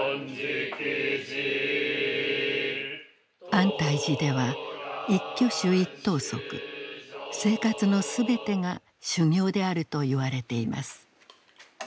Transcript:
安泰寺では一挙手一投足生活の全てが修行であるといわれています。